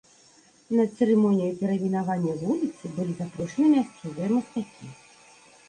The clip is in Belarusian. На цырымонію перайменавання вуліцы былі запрошаныя мясцовыя мастакі.